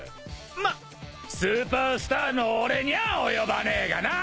まっスーパースターの俺にゃあ及ばねえがな。